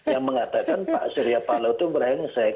yang mengatakan pak suryapalo itu brengsek